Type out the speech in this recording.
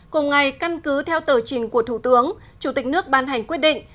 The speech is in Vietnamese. cùng ngày căn cứ theo tờ trình của thủ tướng chủ tịch nước ban hành quyết định